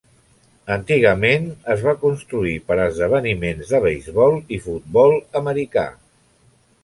Antigament es va construir per a esdeveniments de beisbol i futbol americà.